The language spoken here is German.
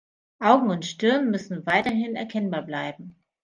Augen und Stirn müssen weiterhin erkennbar bleiben.